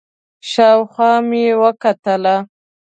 شاوخوا مې وکتل،